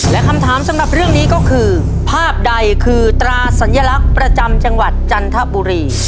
และคำถามสำหรับเรื่องนี้ก็คือภาพใดคือตราสัญลักษณ์ประจำจังหวัดจันทบุรี